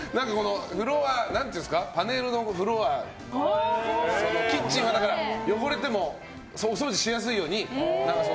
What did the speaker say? パネルのフロアキッチンは汚れてもお掃除しやすいように。